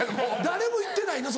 誰も行ってないの？